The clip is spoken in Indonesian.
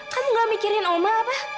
kan gak mikirin oma apa